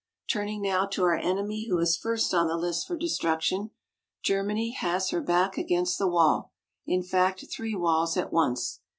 Turning now to our enemy who is first on the list for destruction Germany has her back against the wall in fact three walls at once!